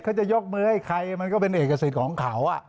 จะยกมือให้ใครมันก็เป็นเอกสิทธิ์ของเขา